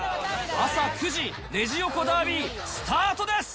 朝９時、レジ横ダービー、スタートです。